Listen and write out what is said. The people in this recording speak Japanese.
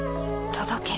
届け。